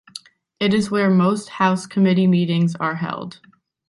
It is where most House committee meetings are held.